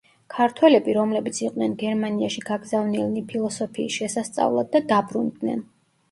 ქართველები, რომლებიც იყვნენ გერმანიაში გაგზავნილნი ფილოსოფიის შესასწავლად და დაბრუნდნენ.